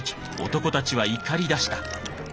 男たちは怒りだした。